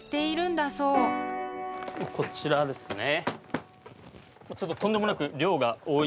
こちらですね。